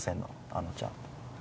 あのちゃん。